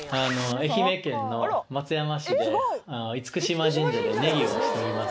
愛媛県の松山市で嚴島神社で禰宜をしております